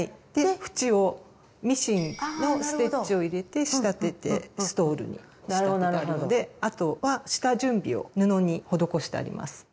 縁をミシンのステッチを入れて仕立ててストールに仕立てたものであとは下準備を布に施してあります。